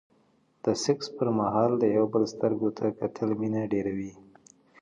د سکس پر مهال د يو بل سترګو ته کتل مينه ډېروي.